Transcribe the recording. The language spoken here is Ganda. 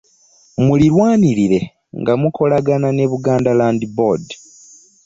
Mulirwanirire nga mukolagana ne Buganda Land Board